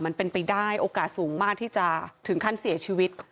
มันเป็นไปได้โอกาสสูงมากที่จะถึงขั้นเสียชีวิต